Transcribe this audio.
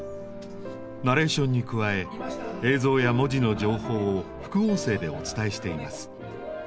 ナレーションに加え映像や文字の情報を副音声でお伝えしています。